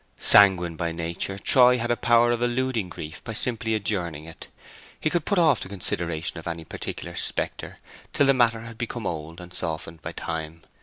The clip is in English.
Sanguine by nature, Troy had a power of eluding grief by simply adjourning it. He could put off the consideration of any particular spectre till the matter had become old and softened by time.